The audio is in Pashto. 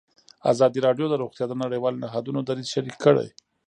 ازادي راډیو د روغتیا د نړیوالو نهادونو دریځ شریک کړی.